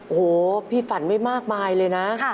โอ้โหพี่ฝันไว้มากมายเลยนะ